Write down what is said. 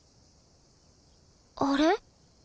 あれ？